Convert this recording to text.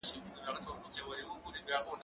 زه پرون مينه څرګندوم وم!.